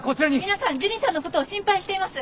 皆さんジュニさんのことを心配しています。